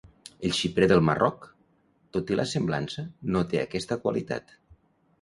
El xiprer del Marroc, tot i la semblança, no té aquesta qualitat.